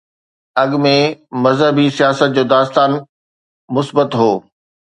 اڳ ۾ مذهبي سياست جو داستان مثبت هو.